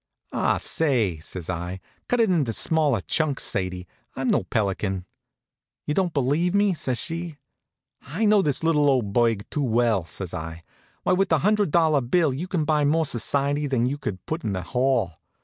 "Ah, say," says I, "cut it in smaller chunks, Sadie. I'm no pelican." "You don't believe me?" says she. "I know this little old burg too well," says I. "Why, with a hundred dollar bill I can buy more society than you could put in a hall."